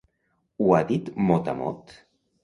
Ho ha dit mot a mot?